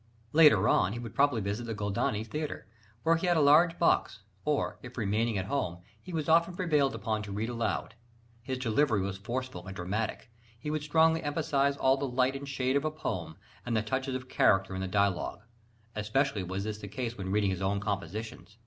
Later on, he would probably visit the Goldoni Theatre, where he had a large box: or, if remaining at home, he was often prevailed upon to read aloud. His delivery was forcible and dramatic, he would strongly emphasise all the light and shade of a poem, and the touches of character in the dialogue. Especially was this the case when reading his own compositions.